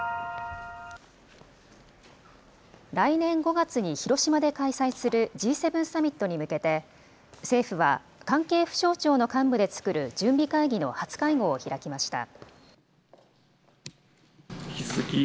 来年５月に広島で開催するＧ７サミットに向けて、政府は関係府省庁の幹部で作る準備会議の初会合を開きました。